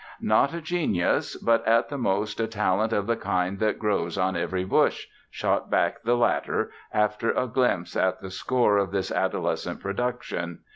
"Not a genius, but at the most a talent of the kind that grows on every bush," shot back the latter after a glimpse at the score of this adolescent production.